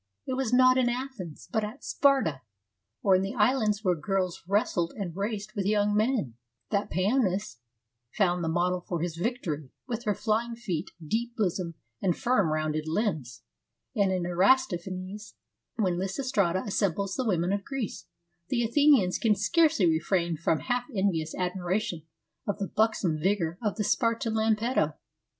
It was not in Athens, but at Sparta, or in the islands where girls wrestled and raced with young men, that Paionios found the model for his ' Victory,' with her flying feet, deep bosom, and firm, rounded limbs ; and in Aristophanes, when Lysistrata assembles the women of Greece, the Athenians can scarcely refrain their half envious admiration of the buxom vigour of the Spartan Lampeto.